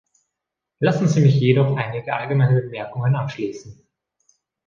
Lassen Sie mich jedoch einige allgemeine Bemerkungen anschließen.